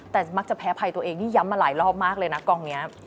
แต่มักจะแพ้ภัยตัวเองที่ย้ำมาหลายรอบมากเลยนะกองนี้